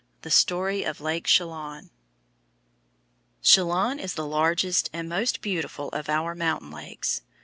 THE STORY OF LAKE CHELAN Chelan is the largest and most beautiful of our mountain lakes.